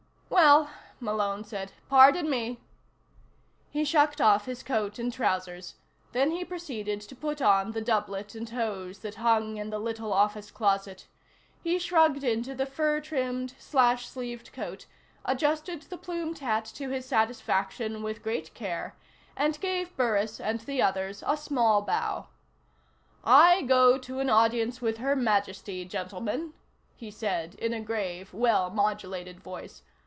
"Well," Malone said, "pardon me." He shucked off his coat and trousers. Then he proceeded to put on the doublet and hose that hung in the little office closet. He shrugged into the fur trimmed, slash sleeved coat, adjusted the plumed hat to his satisfaction with great care, and gave Burris and the others a small bow. "I go to an audience with Her Majesty, gentlemen," he said in a grave, well modulated voice.